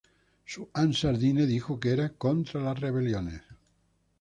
Su Ansar Dine dijo que era "contra las rebeliones.